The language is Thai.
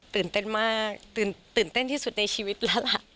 ตื่นเต้นมากตื่นเต้นที่สุดในชีวิตแล้วล่ะ